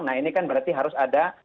nah ini kan berarti harus ada